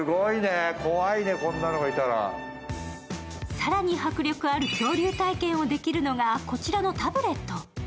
更に迫力ある恐竜体験ができるのがこちらのタブレット。